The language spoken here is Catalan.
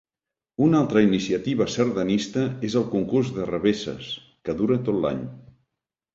Una altra iniciativa sardanista és el concurs de revesses, que dura tot l’any.